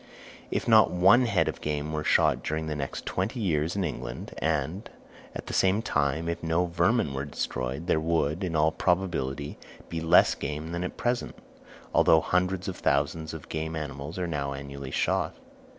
If not one head of game were shot during the next twenty years in England, and, at the same time, if no vermin were destroyed, there would, in all probability, be less game than at present, although hundreds of thousands of game animals are now annually shot.